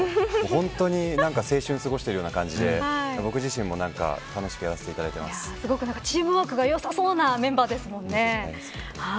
本当に青春を過ごしているような感じで僕自身も楽しくすごくチームワークがよさそうなメンバーですもんね。